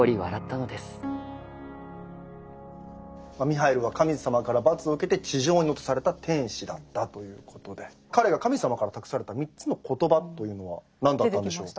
ミハイルは神様から罰を受けて地上に落とされた天使だったということで彼が神様から託された３つの言葉というのは何だったんでしょう？